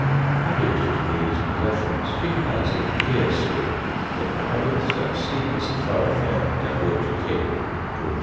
Added to these possessions, she has, in Keere Street, the narrowest and steepest thoroughfare down which a king (George IV.)